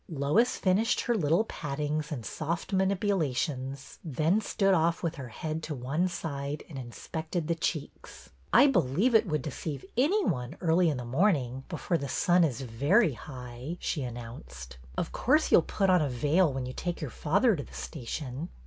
Lois finished her little pattings and soft manip ulations, then stood off with her head to one side and inspected the cheeks. I believe it would deceive any one, early in the morning, before the sun is very high," she announced. '' Of course you 'll put on a veil when you take your father to the station."